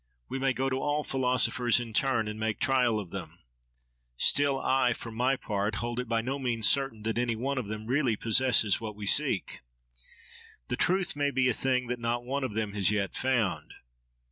We may go to all philosophers in turn and make trial of them. Still, I, for my part, hold it by no means certain that any one of them really possesses what we seek. The truth may be a thing that not one of them has yet found.